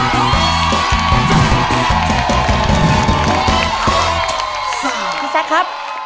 พี่แจ๊คครับ